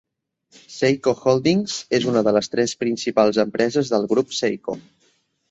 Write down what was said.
Seiko Holdings és una de les tres principals empreses del grup Seiko.